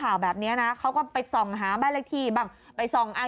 แล้วจะเรียงไว้อย่างเองกิน